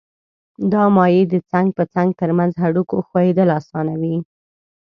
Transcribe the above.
دا مایع د څنګ په څنګ تر منځ هډوکو ښویېدل آسانوي.